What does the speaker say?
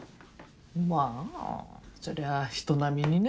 まあそりゃあ人並みにね。